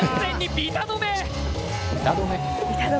ビタ止め。